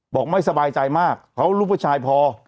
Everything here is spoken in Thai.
บอกไม่สบายใจมากเขารูปผู้ชายพอ